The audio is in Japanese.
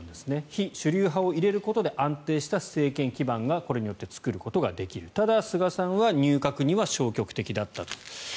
非主流派を入れることで安定した政権基盤がこれによって作ることができるただ菅さんは入閣には消極的だったと。